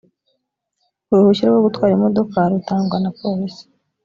uruhushya rwo gutwara imodoka rutagwa na polisi